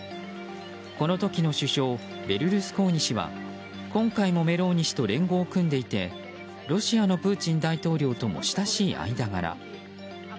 この時の首相ベルルスコーニ氏は今回もメローニ氏と連合を組んでいてロシアのプーチン大統領とも親しい間柄。